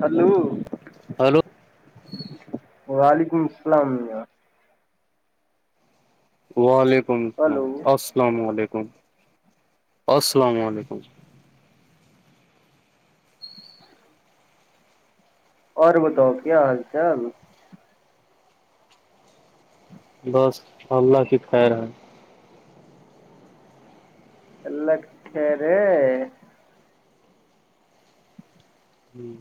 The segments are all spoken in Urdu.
ہلو ہیلو وعلیکم السلام وعلیکم السلام ہلو السلام علیکم السلام علیکم اور بتاؤ کیا حال چال بس حملہ کی خیر ہے اللہ کہ رے [unintelligible] ھمم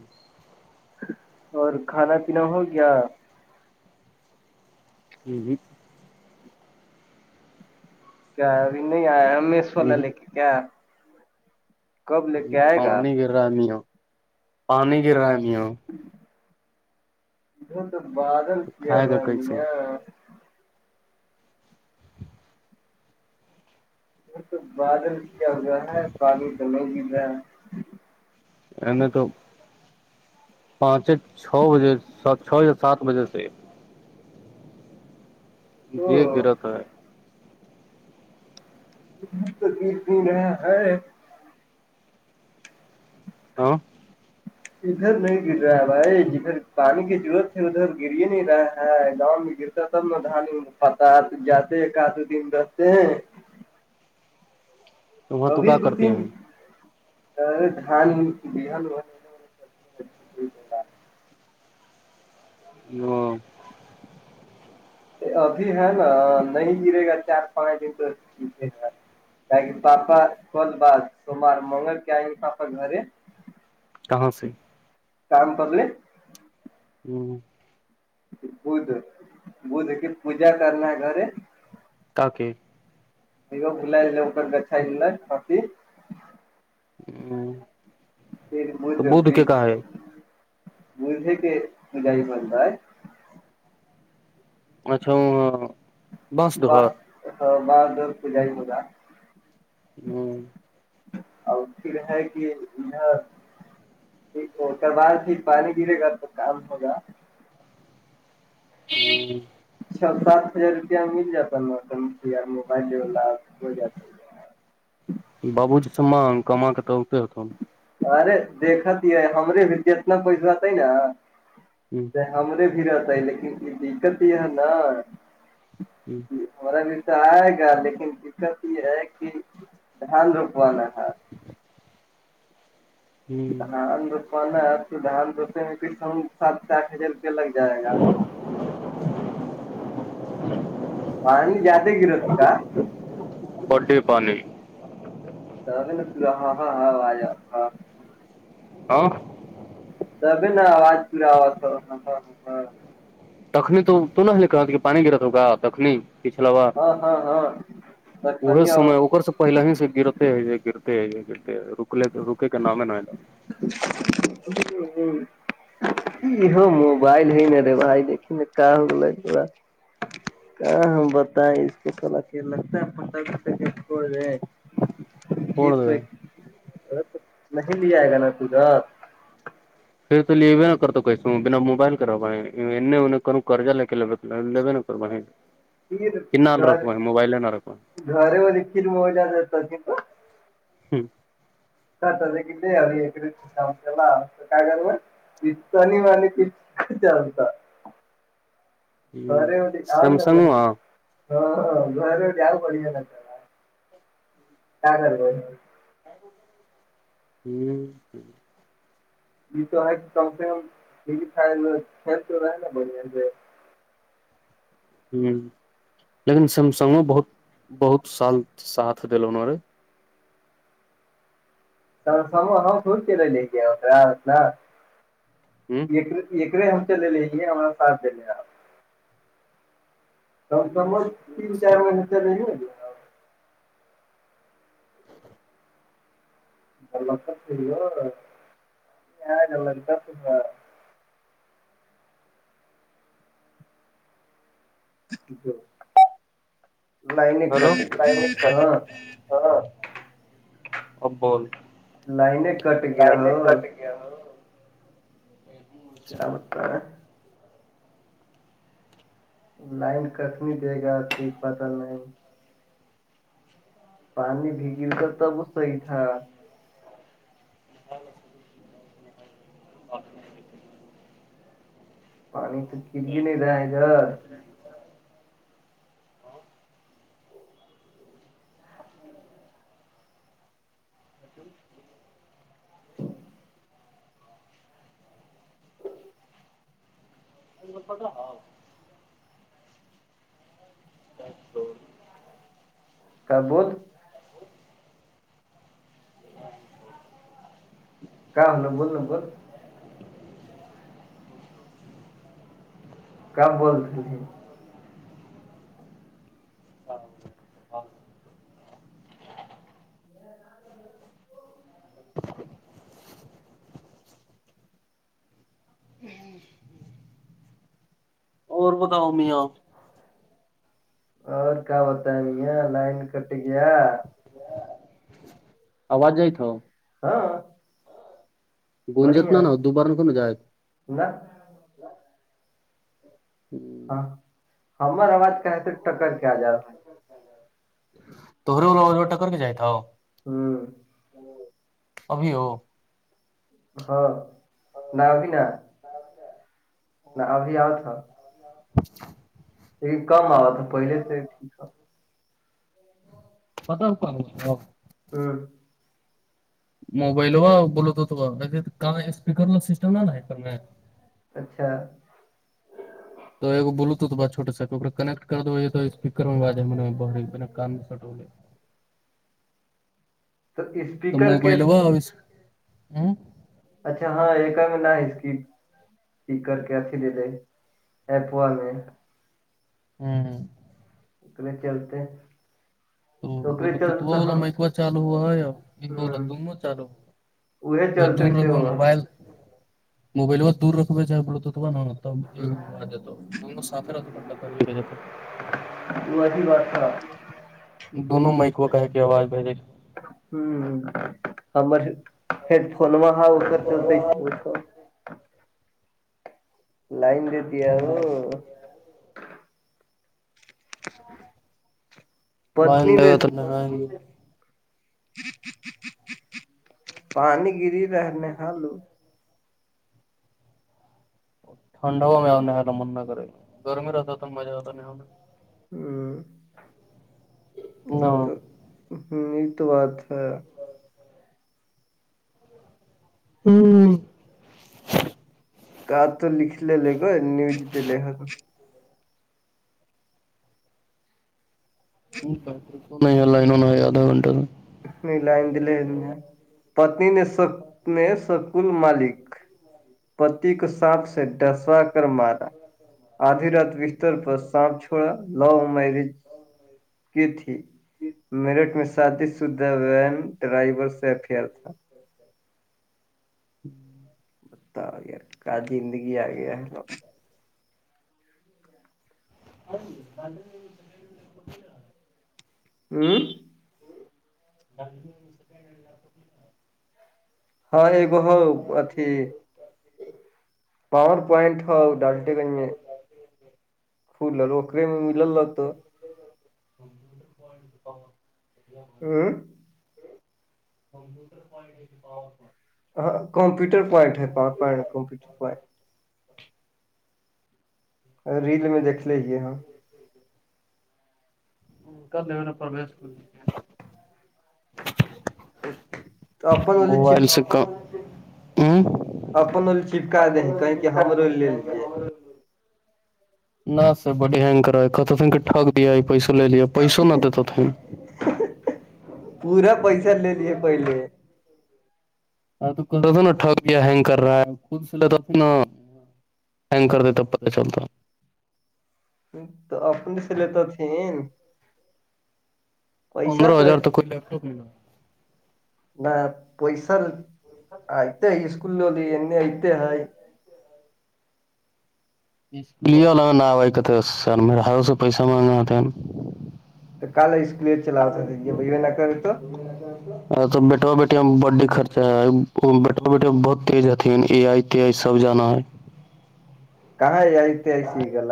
اور کھانا پینا ہو گیا ل کیا ابھی نہیں آیا ہم میں سونا لے کے کیا کب لے کے آئے گا پانی گرانی ہو پانی گرانی ہو ا تو بادل کیایا کھائے گا رہ کیسے [unintelligible] تو بادل کیا گا ہے پالی دل بھی رہ ہے ا نے تو پانچ چھ بجے چ یا سات بجے سے [unintelligible] تو جی درت ہے [unintelligible] مت کیتی رہ ہے [unintelligible] ہاں ادھر نہیں گر رہا ہے بھائی جدھر پانی کی ضرورت ہے ادھر گر ہی نہیں رہا ہے گاؤں میں گر تب ن دھان پتا جاتے آد دن بتے ہیں وہاں تو ابھی کیا دو کرتے تین ہیں دھان بہن ہو سب [unintelligible] ہ ابھی ہے نا نہیں گرے گا چار پانچ دن تو گرے گا پاپا کل بات سومار منگل کے آئیں گے پاپا گھر کہاں سے کام کرل [unintelligible] ھمم بدھ بدھ کی پوجا کرنا ہے گھر تاکہ ا بل جےر گچھا مات [unintelligible] ھممم پھر ب بھے کہ مھ ہی مل رہ ہے اچھا بس ب دہر بار در پ جائی مھا [unintelligible] ھمم اور پھر ہے کہ یہ ھیک ک بار پھر پانی گرے گا تو کام ہوگا ہی ھا سات ہزار روپیہ مل جاتا نٹ موبائل والا ہو جاتا بابو جی سے مانگ کم کے تو اتے ہوت ارے دیکھتی ہے ہمارے بھی اتنا پیس ہوتا ہے نا ھممم ہمرے بھی رہتا ہے لیکن یہ دقت یہ ہے نا ھممم ہمارا بھی تو آئے گا لیکن دقت یہ ہے کہ دھان روپوان دھان روپوانا ہے تو دھان روپنے میں کئی کم سات آٹھ ہزار روپیہ لگ جائے گا آند جیاادگرتکا [unintelligible] بڈی پانی [unintelligible] ہاں ہاں ہاں آیا ہاں ہاں توب نا آوج پورا آا تھ تھا تخنی تو تو نہ کہت پانی گرت ہوا تخنی پچھلاوا ہاں ہاں ہاں ای تخنی سمے ار سے پہل ہی سے گرتے ہے یہ گرتے ہے یہ گرتے رک رکے کے نام ہے ن نا ہ ہ ہو موبائل ہے نا رے بھائی د ن کا ہوگا [unintelligible] کہ ہم بتائ اس کو پک لگتا ہے پٹ چھوڑ گئے س تو نہیں لیا آئے گا نا پھا پھر تو لیےبےا کرتا کیس بنا موبائل کر رہوااہ اننے ا کر کررضہ لے کے ل ل لیے نا کروا ہے [unintelligible] کر گھر گھرے والی کھیر میں مجا جتا ت تو [unintelligible] سا دیک دے کا کرو [unintelligible] پت نہیں والے کھ چلتا [unintelligible] ورے اوڈی آؤ گ بنی [unintelligible] ہاں ہاں گھر جؤ بڑیا ن کرا کیا کر [unintelligible] ھمم یہ تو ہے کہ کم سے کم کھیل تو رہے نا بڑیا سے ہوں لیکن سیمسنگو بہت بہت سال ساتھ دلو ن رے س سم ہم پود کے لے لے کےیا ا اتنا [unintelligible] جی ایکے ہم چلے لےے ہما ساتھ د ل آا تو تو م تین چار منے چلے گی گے [unintelligible] [unintelligible] ہاں ا بول [unintelligible] لائنے کٹ گیا ہو [unintelligible] جاں کا بتائے [unintelligible] لائن کٹ نہیں دے گا کوئی پتا نہیں پانی بھیگل تھا تب صحیح تھا [inaudible] پانی ت [unintelligible] [inaudible] [inaudible] ب فٹا ہاؤ [unintelligible] کابول [unintelligible] کیا ہونا بول ن بول [unintelligible] کم بول [unintelligible] ہاں ہاں [inaudible] اور بتاؤ میاں اور کیا بت ہے میا لائن کٹ گیا آواز جئی تھ ہاں گوننجت نا بڑھیا نا دوپاران کو جائے نہ ہاں ہمر آواز کہے تھے ٹکر کے آ جات ہے تو ری موبائلوں ٹکر کے جیت ہوا ہوں ابھی ہو ہاں ن ا بھیین [inaudible] میں ابھی آ تھا [inaudible] یہ کم آا تھا پہلے سے ٹھیک تھا بتاتاب کو ہاں موبائل وا بولتا ہو تو کا اسپکر ل سسٹم نہیںا ہے کر میں اچھا تو ا ایک بوھ بھوٹ سا کنٹ کر دو تو اسپیکر میں آج ہے م بہر بنا کان سٹ ہوول تو تو اسپیکر کے موبائل وہ اس ہ اچھا ہاں ایک ملا ہے اس کی اس کرر کے اچھی لے لے ایپوا میں ہوں ہ اتنے چلتے ہیں تو بولو تو تو وہ ہوو مکو چالو ہوا ہے یہلا ہوں دونوں چالو ہو کوئی دور رکھ موبائل موبائلو دور رکھ چ بلوتوھ ہوا تب ایکگو آ جات دونوں صاف رہ توٹکرے رہ ج وہ ا ہیی بات تھا تھا دونوں مک کہ کے آواز بھیجے ہمر ہیڈ فون ا چلتے اس لائن دیتیےؤ ویں دگتیں پانی گری رہنے آلو تھھنڈا وہ م میںا ن نہاا مننا کرے گرمی ر رہتا تو مزا آتا ن نہ ہوا یہ تو ہ یہ تو بات ہے ہاں آار تو لکھ لےگو نیوز لا تو نہیں ہے لائن ہونا ہے آدھا گھٹہ نہیں لائن دلے پتنی نے سک نے سکول مالک پتی کو سانپ سے ڈھسوا کر مارا آدھی رات بستر پر سانپ چھوڑا لو میرج کی تھی میرٹھ میں شادی سے وین ڈرائیور سے افیئر تھا ہ بتتا ہو گیا کا زندگی آ گیاو [unintelligible] ہوں ج [unintelligible] ہاں ایگو ہ اھی پ پوائنٹ ہو ڈالٹے گنج میں فھول اوروکے میں ملل رہت ہوں [unintelligible] ہاں کمپیوٹر پونٹ ہے کمپٹر پونٹ ریل میں دھ لیےی ہاں اا پرویش کر [unintelligible] والی بووال چپ سک ہوں اپوں لیے چپکا د کہیں کہ ہمارے لیے یہ نہ سر بنگ کرا کہ تھ کہ ٹک دیا پیسو لے لیا پیسو نہ دیتا تھیں پورا پیسہ لے لیے پہلے تھا نا ٹکیا ہینگ کر رہا ہےود سے لتاھی نا ینکر دیتاب پتا چلتا تو اپنے سے لیتے تھے پیسہ پندرہ تو ہزار توک کوئی لا نہ پیسہ آئیتے ہے اسکول ل لینے آئتے ہے اس لی وال ن آائی کا س میرا ہھوں سے پیسہ مانگا ہوتے تو کل اسکلی چلاؤتا تھا یہ بھ یہ نہ کرے تو لینا چاہتی ا تو بیٹو بیٹییا میں بی خرچہ ہے ا بیٹو بیٹی بہت تیز ہتی ا آئی تی آئیب جانا ہے کاں آئیتی آئیتییگ ال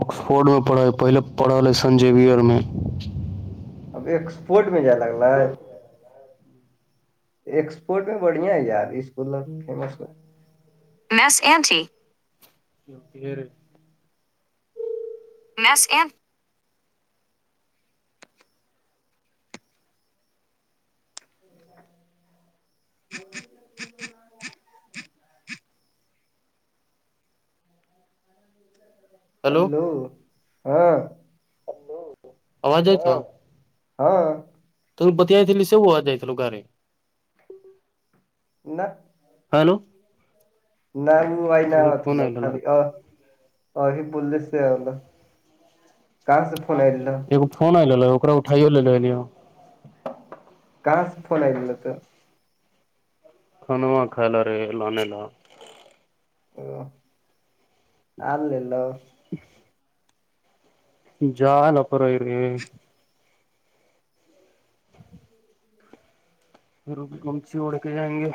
آکسفورڈ میں پڑھا ہے پہلے پڑھا لے سن جیویئر میں اب ایکسپورٹ میں جائے لگلے ایکسپورٹ میں بڑھیا ہے یار اسک فیمس میں میںس یہ تھی میںس ا ہلو ہاں آوج ہےئے تو ہاں تم بتییائی ل س وہا جائییو گے نہ ہلو ن وہ وئی ن ا ل خالی ا ا بوللی سےند ایکو فون آ ل اا اٹھائی لو کہاں سے فون آئی ہو تو کھاناوا کائےلا رے لانلا او آ ل لو [unintelligible] جال ابر رہ پھر گمچی اوڑ کے جائیں گے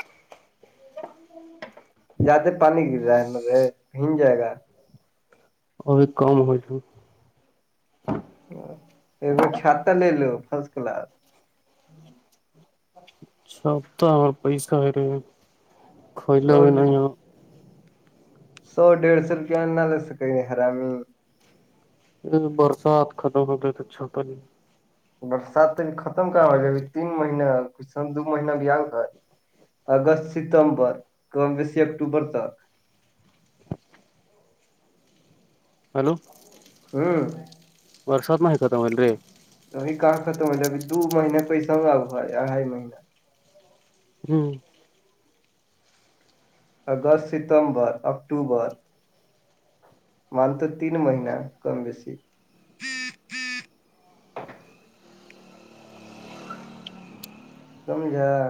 زیادہ پانی گر رہا ہے رے پگ جائے گا اور بھی کم ہو ج ای چھہ لے لو فرسٹ کلاس سب تو ہمار پیسہ ہےے کئی ل سو بھی نہیں آ سو ڈیھ سو روپ انناالس کائی نہیں خرامی برسات ختم ہو گ تو اچ چھا تو نہیں برسات تو ا بھیھی ختم کہاں ہو ہے ابھی تین مہینے ک دو مہین بھی آ گ ہے اگست ستمبرس سے اکتوبر تک ہیلو ہاں ورساد م میں ہیتمولل ری وہی کہاں ختم ہو جب دو مہینے پیسوں ابا اڑھائی مہینہ ہوں اگست ستمبر اکٹوبر مل تو تین مہین کم بیسی سمجھا